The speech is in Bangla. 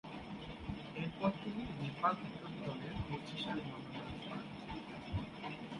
এরপর তিনি নেপাল ক্রিকেট দলের কোচ হিসেবে মনোনয়ন পান।